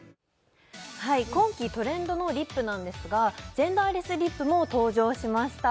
はい今期トレンドのリップなんですがジェンダーレスリップも登場しました